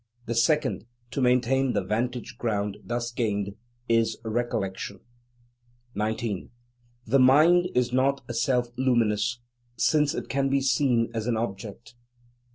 The second, to maintain the vantage ground thus gained, is recollection. 19. The Mind is not self luminous, since it can be seen as an object.